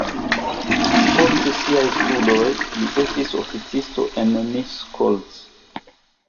Post siaj studoj li estis oficisto en Miskolc.